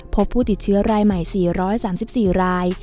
พบผู้ติดเชื้อรายใหม่๔๓๔ราย